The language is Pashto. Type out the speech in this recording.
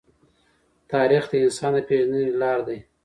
تاریخ د انسان د پېژندنې لار دی.